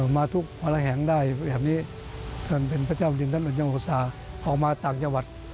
มาทุกวัลแห่งได้พระเจ้าอดทราบอาวุธสาหกออกมาต่างจังหวัด